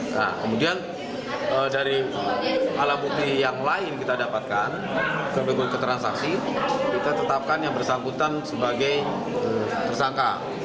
nah kemudian dari alat bukti yang lain kita dapatkan sebagai keterangan saksi kita tetapkan yang bersangkutan sebagai tersangka